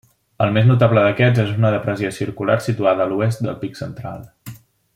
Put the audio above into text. El més notable d'aquests és una depressió circular situada a l'oest del pic central.